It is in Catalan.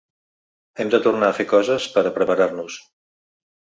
Hem de tornar a fer coses per a preparar-nos.